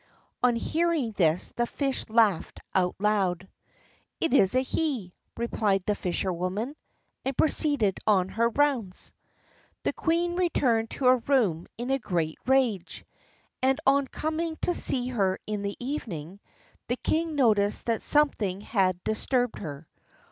On hearing this the fish laughed aloud. "It's a he," replied the fisherwoman, and proceeded on her rounds. The queen returned to her room in a great rage; and on coming to see her in the evening, the king noticed that something had disturbed her.